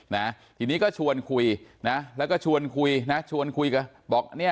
นะทีนี้ก็ชวนคุยนะแล้วก็ชวนคุยนะชวนคุยกันบอกเนี่ย